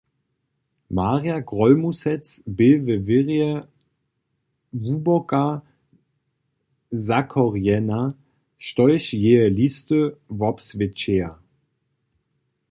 Marja Grólmusec bě we wěrje hłuboko zakorjenjena, štož jeje listy wobswědčeja.